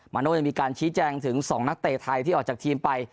โน่ยังมีการชี้แจงถึง๒นักเตะไทยที่ออกจากทีมไป